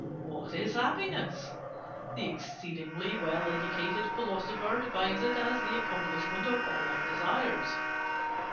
What is happiness? The exceedingly well educated Philosopher defines it as the accomplishment of all our desires.